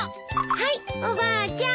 はいおばあちゃん。